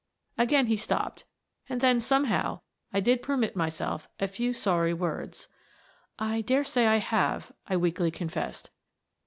Again he stopped and then, somehow, I did per mit myself a few sorry words. " I dare say I have," I weakly confessed.